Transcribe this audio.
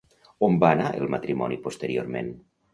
On va anar el matrimoni posteriorment?